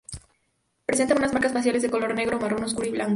Presentan unas marcas faciales de color negro o marrón oscuro y blanco.